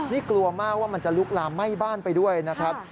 นี่กลัวมากว่ามันจะลุกลามไหม้บ้านไปด้วยนะครับ